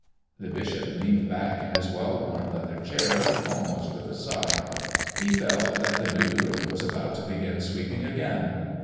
The bishop leaned back in his well worn, leather chair almost with a sigh. He felt that the new broom was about to begin sweeping again.